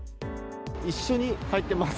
一緒に入ってます。